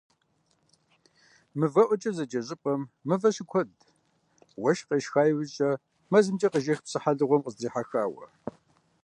«МывэӀуэкӀэ» зэджэ щӀыпӀэм мывэ щыкуэдт, уэшх къешха иужь, мэзымкӀэ къежэх псыхьэлыгъуэм къыздрихьэхауэ.